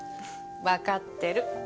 わかってる。